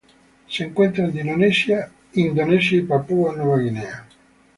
Se encuentran en Indonesia y Papúa Nueva Guinea.